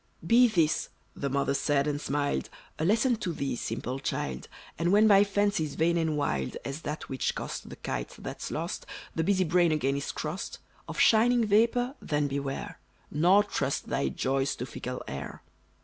"Be this," the mother said, and smiled, "A lesson to thee, simple child! And when by fancies vain and wild, As that which cost the kite that's lost, The busy brain again is crossed, Of shining vapor then beware, Nor trust thy joys to fickle air.